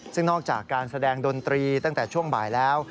ซึ่งนอกจากการแสดงดนตรีตั้งแต่ช่วงบ่ายแล้ว